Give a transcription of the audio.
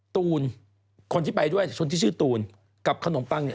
ตูนคนที่ไปด้วยคนที่ชื่อตูนกับขนมปังเนี่ย